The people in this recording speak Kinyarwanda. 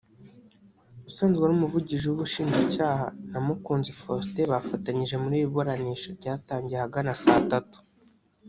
usanzwe ari Umuvugizi w’Ubushinjacyaha na Mukunzi Faustin bafatanyije muri iri buranisha ryatangiye ahagana saa tatu